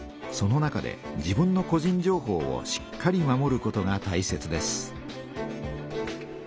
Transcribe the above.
その中で自分の個人情報をしっかり守ることがたいせつです。